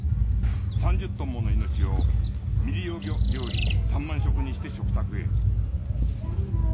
３０トンもの命を未利用魚料理３万食にして食卓へ。